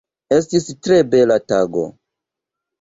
Estis tre bela tago.